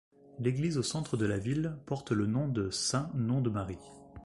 L'église au centre de la ville porte le nom de Saint Nom de Marie.